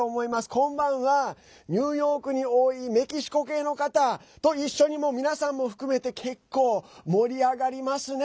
今晩は、ニューヨークに多いメキシコ系の方と一緒に皆さんも含めて結構盛り上がりますね